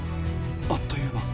あっという間。